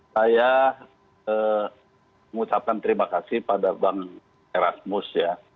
saya mengucapkan terima kasih pada bang erasmus ya